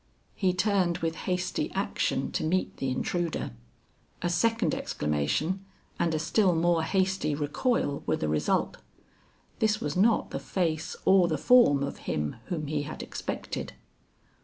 he turned with hasty action to meet the intruder. A second exclamation and a still more hasty recoil were the result. This was not the face or the form of him whom he had expected.